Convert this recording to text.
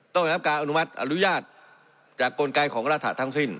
ต้องได้รับการอนุมัติอนุญาตจากกลไกของรัฐะทั้งสิ้น